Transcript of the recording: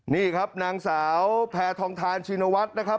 นี่ครับนางสาวแพทองทานชินวัฒน์นะครับ